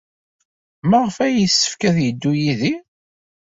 Maɣef ay yessefk ad yeddu Yidir?